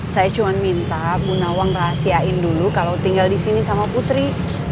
saya cuma minta bu nawang rahasiain dulu kalau tinggal di sini sama putri